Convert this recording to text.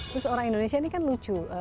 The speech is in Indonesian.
terus orang indonesia ini kan lucu